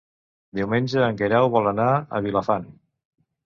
Diumenge en Guerau vol anar a Vilafant.